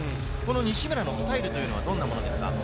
西村のスタイルというのはどんなものですか？